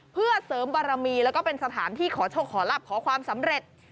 เพื่อเสริมบารมีแล้วก็เป็นสถานที่ขอโชคขอรับขอความสำเร็จ